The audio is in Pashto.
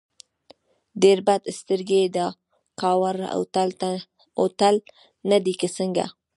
ډېر بد سترګی یې، دا کاوور هوټل نه دی که څنګه؟